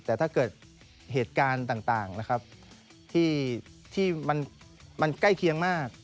แต่ถ้าเกิดเหตุการณ์ต่างนะครับที่มันใกล้เคียงมาก